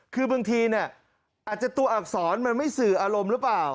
คือบางทีเนี่ยอาจจะตัวอักษรมันไม่สื่ออารมณ์หรือเปล่า